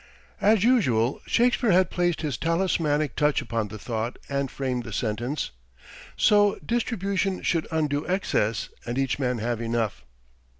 As usual, Shakespeare had placed his talismanic touch upon the thought and framed the sentence "So distribution should undo excess, And each man have enough."